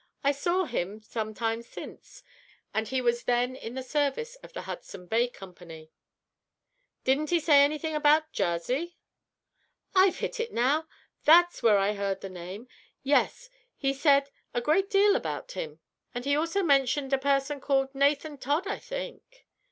I saw him some time since, and he was then in the service of the Hudson Bay Company." "Didn't he say anything about 'Jarsey?'" "I've hit it now! There's where I heard the name. Yes; he said a great deal about him, and he also mentioned a person called Nathan Todd, I think."